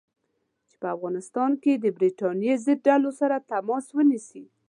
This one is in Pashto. چې په افغانستان کې د برټانیې ضد ډلو سره تماس ونیسي.